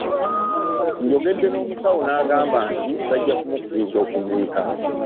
Njogedde n’omusawo n’agamba nti bajja kumukkiriza okuziika.